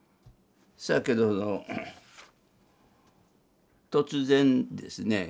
そやけど突然ですね